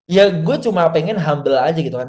ya gue cuma pengen humble aja gitu kan